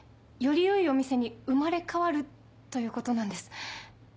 よりよいお店に生まれ変わるということなんです。